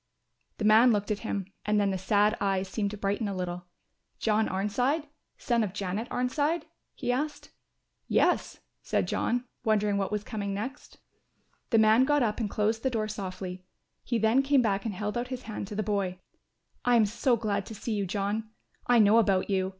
The man looked at him and then the sad eyes seemed to brighten a little. "John Arnside, son of Janet Arnside?" he asked. "Yes," said John, wondering what was coming next. The man got up and closed the door softly, he then came back and held out his hand to the boy. "I am so glad to see you, John; I know about you.